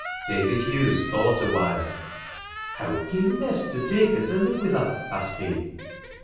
David Hughes thought awhile. " How came Nest to take her to live with her ?" asked he.